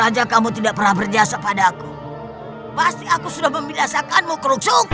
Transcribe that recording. dia tidak membunuhku